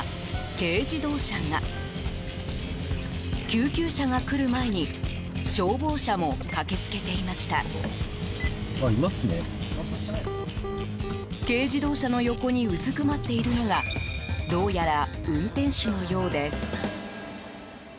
軽自動車の横にうずくまっているのがどうやら運転手のようです。